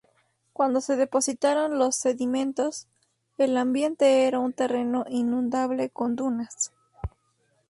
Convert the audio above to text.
Cuando se depositaron los sedimentos, el ambiente era un terreno inundable con dunas.